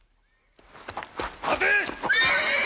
待て！